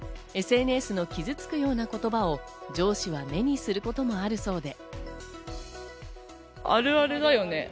ＳＮＳの傷つくような言葉を上司は目にすることもあるそうで。